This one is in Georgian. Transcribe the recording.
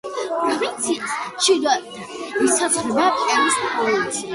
პროვინციას ჩრდილოეთიდან ესაზღვრება პერუჯას პროვინცია.